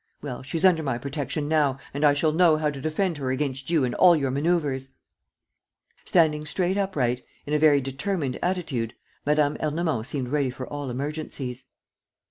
Well, she's under my protection now and I shall know how to defend her against you and all your manœuvers!" Standing straight upright, in a very determined attitude, Mme. Ernemont seemed ready for all emergencies.